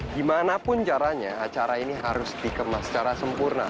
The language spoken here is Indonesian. dimanapun caranya acara ini harus dikemas secara sempurna